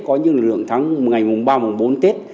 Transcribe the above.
có những lực lượng tháng ngày mùng ba mùng bốn tết